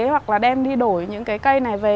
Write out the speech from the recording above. hoặc là đem đi đổi những cái cây này về